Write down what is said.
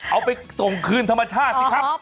เอาไปส่งคืนธรรมชาติสิครับ